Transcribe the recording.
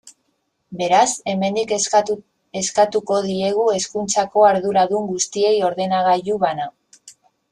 Beraz, hemendik eskatuko diegu hezkuntzako arduradun guztiei ordenagailu bana.